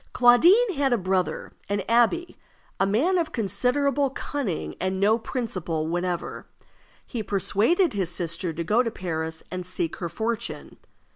Claudine had a brother, an abbé, a man of considerable cunning, and no principle whatever. He persuaded his sister to go to Paris and seek her fortune.